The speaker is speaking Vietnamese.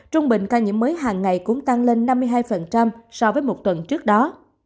trung bình ca nhiễm mới hàng ngày cũng tăng lên năm mươi hai so với một tuần trước đó